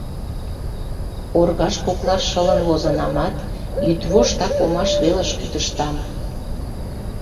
Оргаж коклаш шылын возынамат, йӱдвоштак омаш велыш кӱтыштам.